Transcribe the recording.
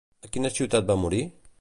A quina ciutat va morir?